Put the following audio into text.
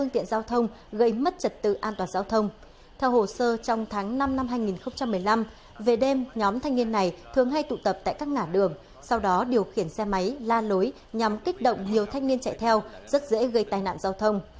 theo hồ sơ trong tháng năm năm hai nghìn một mươi năm về đêm nhóm thanh niên này thường hay tụ tập tại các ngã đường sau đó điều khiển xe máy la lối nhằm kích động nhiều thanh niên chạy theo rất dễ gây tai nạn giao thông